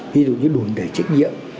ví dụ như đồn đề trách nhiệm